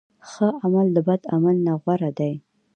ښه عمل د بد عمل نه غوره دی.